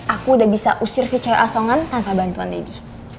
aku udah bisa usir si cewek asongan tanpa bantuan lady